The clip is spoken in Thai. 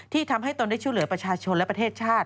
ทำให้ตนได้ช่วยเหลือประชาชนและประเทศชาติ